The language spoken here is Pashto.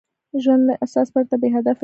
ژوند له اساس پرته بېهدفه کېږي.